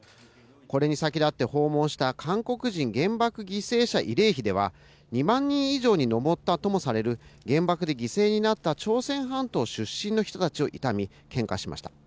これに先立って、訪問した韓国人原爆犠牲者慰霊碑では、２万人以上に上ったともされる原爆で犠牲になった朝鮮半島出身の人たちを悼み、献花しました。